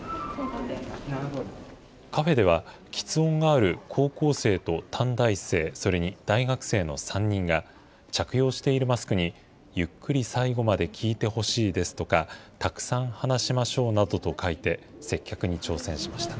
カフェでは、きつ音がある高校生と短大生、それに大学生の３人が、着用しているマスクに、ゆっくり最後まで聞いてほしいですとか、たくさん話しましょうなどと書いて、接客に挑戦しました。